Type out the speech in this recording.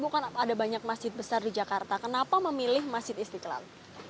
kan ada banyak masjid besar di jakarta kenapa memilih masjid istiqlal